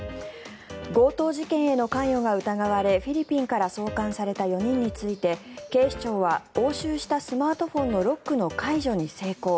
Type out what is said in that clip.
強盗事件への関与が疑われフィリピンから送還された４人について警視庁は押収したスマートフォンのロックの解除に成功。